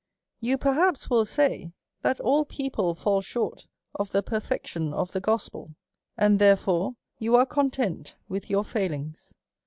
You perhaps will say, that all people fall short of the perfection of the gospel, and therefore you are content with your failings.